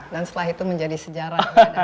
dan setelah itu menjadi sejarah